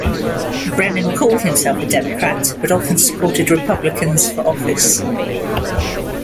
Brennan called himself a Democrat, but often supported Republicans for office.